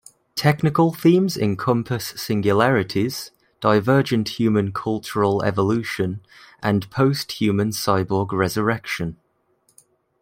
Technical themes encompass singularities, divergent human cultural evolution, and post-human cyborg-resurrection.